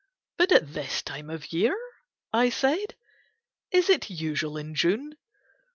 "But at this time of year?" I said. "Is it usual in June?"